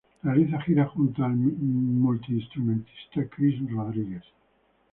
Realiza giras junto al multiinstrumentista Chris Rodrigues.